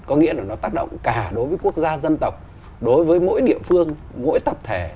có nghĩa là nó tác động cả đối với quốc gia dân tộc đối với mỗi địa phương mỗi tập thể